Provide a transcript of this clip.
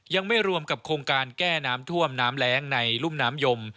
ยังไม่รวมกับโครงการแก้น้ำท่วมน้ำแรงในรุ่มน้ำยม